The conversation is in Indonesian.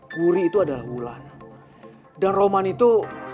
puri itu adalah wulan dan roman itu